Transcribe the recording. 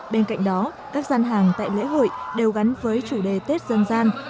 bên cạnh đó các gian hàng tại lễ hội đều gắn với chủ đề tết dân gian